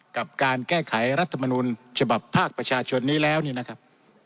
กับการแก้ไขรัฐมนุนฉบับภาคประชาชนนี้แล้วนี่นะครับ